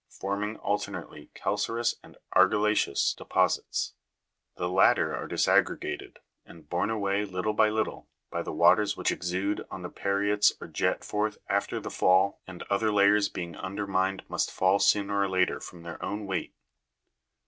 210), forming alternately calcareous and argilla'ceous deposits ; the latter are disaggregated, and borne away little by little by the waters which exude on the parietes or jet forth after the fall, and other layers being undermined must fall sooner or later from their own weight.